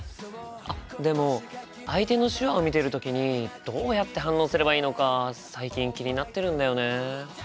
あっでも相手の手話を見てる時にどうやって反応すればいいのか最近気になってるんだよね。